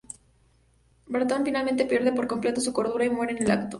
Barton finalmente pierde por completo su cordura y muere en el acto.